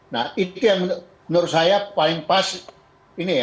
nah itu yang menurut saya paling pas ini ya